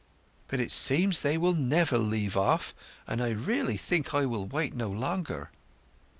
"But it seems they will never leave off, and I really think I will wait no longer."